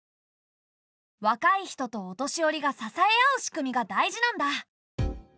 若い人とお年寄りが支え合う仕組みが大事なんだ。